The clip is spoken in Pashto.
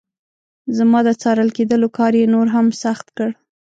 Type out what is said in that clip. زما د څارل کېدلو کار یې نور هم سخت کړ.